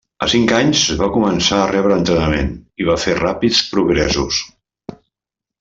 A cinc anys, va començar a rebre entrenament, i va fer ràpids progressos.